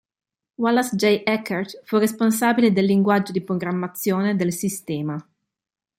Wallace J. Eckert fu responsabile del linguaggio di programmazione del sistema.